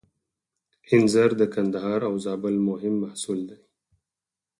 انځر د کندهار او زابل مهم محصول دی